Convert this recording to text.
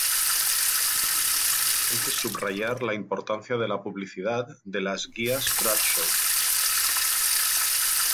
Hay que subrayar la importancia de la publicidad de las "Guías Bradshaw".